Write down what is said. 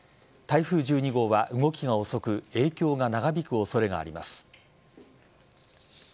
台風１２号は動きが遅く影響が長引く恐れがあります。